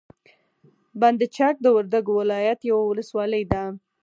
بند چک د وردګو ولایت یوه ولسوالي ده.